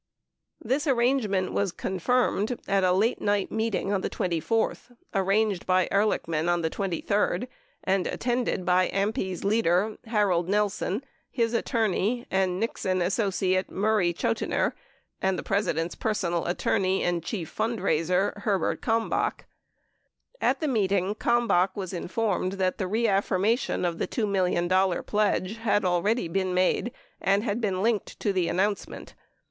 This arrangement Avas confirmed at a late night meeting on the 24th — arranged bv Ehrlichman on the 23d and attended by AMPI's leader, Harold Nelson, his attorney and Nixon associate, Murray Chotiner, and the President's personal attorney and chief fundraiser, Herbert Kalmbach. At the meeting, Kalmbach was informed that the reaffirmation of the $2 million pledge had already been made and been linked to the announcement.